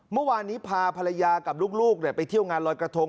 เมื่อวานนี้พาภรรยากับลูกไปเที่ยวงานลอยกระทง